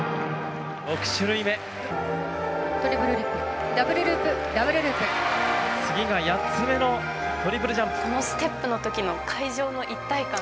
６種類目・トリプルフリップダブルループダブルループ・次が８つ目のトリプルジャンプこのステップの時の会場の一体感